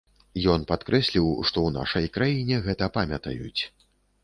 Ён падкрэсліў, што ў нашай краіне гэта памятаюць.